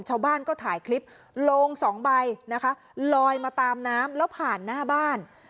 ชาวบ้านก็ถ่ายคลิปโลงสองใบนะคะลอยมาตามน้ำแล้วผ่านหน้าบ้าน